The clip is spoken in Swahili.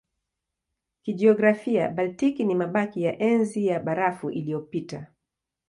Kijiografia Baltiki ni mabaki ya Enzi ya Barafu iliyopita.